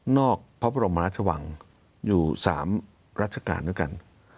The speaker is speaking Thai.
พระบรมราชวังอยู่๓รัชกาลด้วยกัน